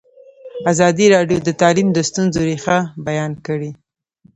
ازادي راډیو د تعلیم د ستونزو رېښه بیان کړې.